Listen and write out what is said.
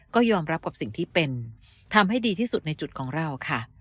ก็ยอมรับกับสิ่งที่เป็นทำให้ดีที่สุดในจุดของเราค่ะ